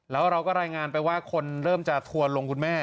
แล้วเราก็รายงานไปว่าคนเริ่มจะทัวร์ลงคุณแม่